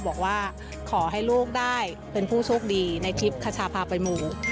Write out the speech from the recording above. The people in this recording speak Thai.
บอกว่าขอให้ลูกได้เป็นผู้โชคดีในทริปคชาพาไปหมู่